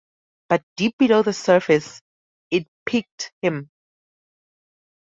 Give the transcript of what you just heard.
But deep below the surface it piqued him.